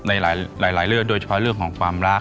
ในหลายเรื่องโดยเฉพาะเรื่องของความรัก